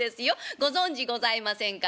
ご存じございませんか？